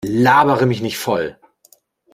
Labere mich nicht voll!